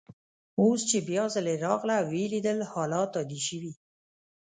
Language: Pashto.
اوس چي بیا ځلې راغله او ویې لیدل، حالات عادي شوي.